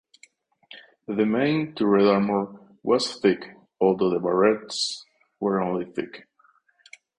The main turret armor was thick although the barbettes were only thick.